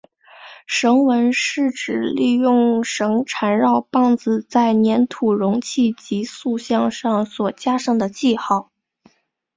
绳文是指利用绳缠绕棒子在黏土容器及塑像上所加上的记号。